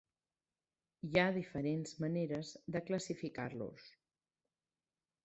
Hi ha diferents maneres de classificar-los.